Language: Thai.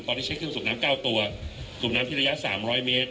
ตอนนี้ใช้เครื่องสูบน้ำ๙ตัวสูบน้ำที่ระยะ๓๐๐เมตร